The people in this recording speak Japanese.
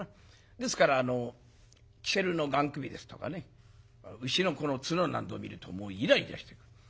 ですからキセルのがん首ですとかね牛の角なんぞを見るともうイライラしてくる。